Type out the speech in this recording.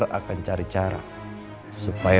pada nama yang berikutnya